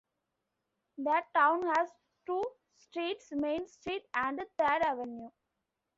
The town has two streets, Main Street and Third Avenue.